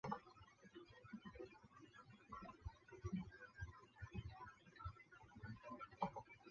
密县人。